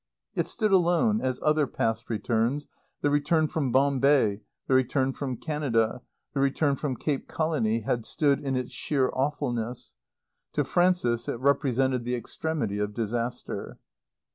It stood alone, as other past returns, the return from Bombay, the return from Canada, the return from Cape Colony, had stood, in its sheer awfulness. To Frances it represented the extremity of disaster.